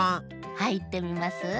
はいってみます？